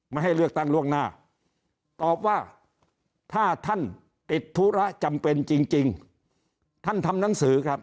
ไม่ให้เลือกตั้งล่วงหน้าตอบว่าถ้าท่านติดธุระจำเป็นจริงจริง